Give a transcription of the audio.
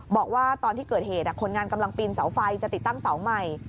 บอกว่าตอนที่เกิดเหตุคนงานกำลังปีนเสาไฟจะติดตั้งเสาใหม่